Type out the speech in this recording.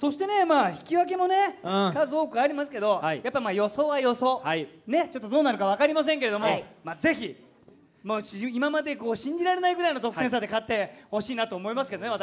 引き分けも数多くありますが予想は予想でどうなるか分かりませんがぜひ今まで信じられないくらいの得点差で勝ってほしいと思います。